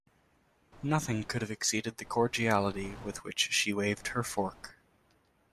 Nothing could have exceeded the cordiality with which she waved her fork.